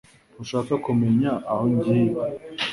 Ntushaka kumenya aho ngiye